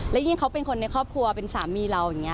และยิ่งเขาเป็นคนในครอบครัวเป็นสามีเราอย่างนี้